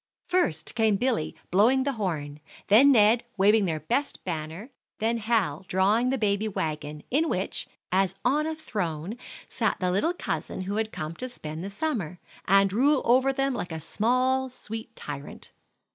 First came Billy blowing the horn, then Ned waving their best banner, then Hal drawing the baby wagon, in which, as on a throne, sat the little cousin who had come to spend the summer, and rule over them like a small, sweet tyrant.